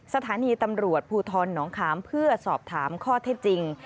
สถานีตำรวจภูทรหนองขามเพื่อสอบถามข้อเท็จจริง